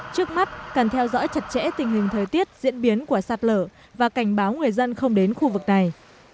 trước mắt cần theo dõi chặt chẽ tình hình thời tiết diễn biến của sạt lở và cảnh báo người dân không đến khu vực này